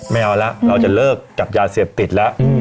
ไม่เอาละเราจะเลิกจับยาเสพติดละอืม